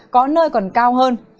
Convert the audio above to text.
có nơi còn cao hơn